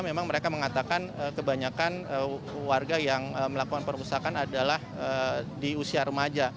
memang mereka mengatakan kebanyakan warga yang melakukan perpustakaan adalah di usia remaja